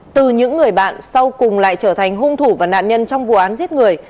từ những người bạn sau cùng lại trở thành hung thủ và nạn nhân trong vụ án giết người